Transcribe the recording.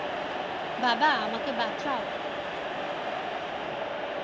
বাবা, আমাকে বাঁচাও!